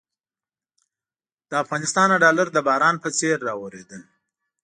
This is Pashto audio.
له افغانستانه ډالر د باران په څېر رااورېدل.